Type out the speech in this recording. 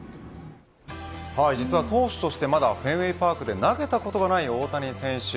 実は投手としてまだフェンウェイパークで投げたことがない大谷選手。